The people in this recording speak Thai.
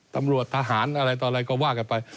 ตำรวจทหารอะไรต่ออะไรก็ว่ากันไป